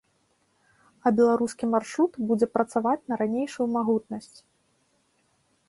А беларускі маршрут будзе працаваць на ранейшую магутнасць.